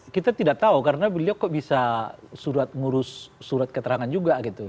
kita tidak tahu karena beliau kok bisa ngurus surat keterangan juga gitu